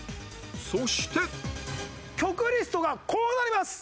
そして曲リストがこうなります。